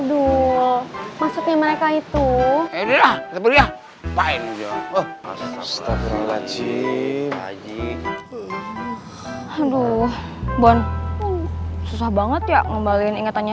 dulu maksudnya mereka itu udah udah baiklah aja aduh bon susah banget ya ngembalin ingetannya